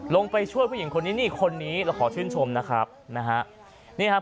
ลงไปช่วยผู้หญิงคนนี้คนนี้เราขอชื่นชมนะครับ